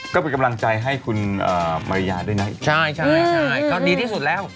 ก็เป็นกำลังใจให้คุณมาริยาด้วยนะใช่ใช่ก็ดีที่สุดแล้ว